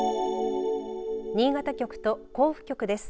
新潟局と甲府局です。